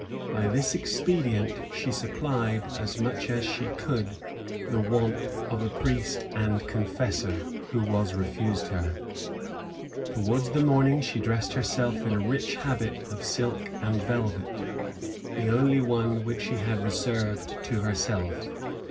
By this expedient she supplied, as much as she could, the want of a priest and confessor, who was refused her.[*] * Jebb, vol. ii. p, 489. Towards the morning, she dressed herself in a rich habit of silk and velvet, the only one which she had reserved to herself.